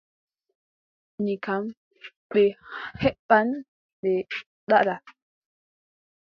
Ni kam, ɓe heɓɓan ɓe daɗɗa.